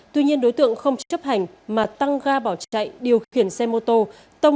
tuy nhiên đối tượng không chấp hành mà tăng ga bỏ chạy điều khiển xe mô tô